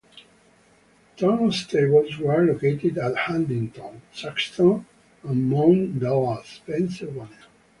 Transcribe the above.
Turntables were located at Huntingdon, Saxton, and Mount Dallas, Pennsylvania.